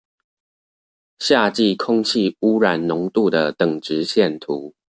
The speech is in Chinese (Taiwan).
夏季空氣污染濃度的等值線圖